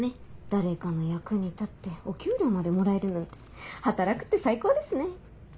誰かの役に立ってお給料までもらえるなんて働くって最高ですね！